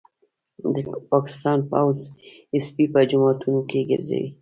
د پاکستان پوځ سپي په جوماتونو کي ګرځوي